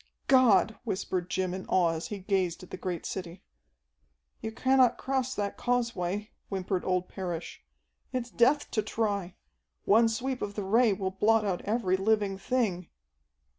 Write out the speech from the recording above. "God!" whispered Jim in awe as he gazed at the great city. "You cannot cross that causeway," whimpered old Parrish. "It's death to try. One sweep of the Ray will blot out every living thing."